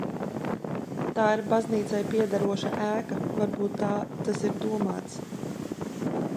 Tā ir baznīcai piederoša ēka, varbūt tā tas ir domāts.